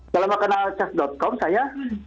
selama kenal cez com saya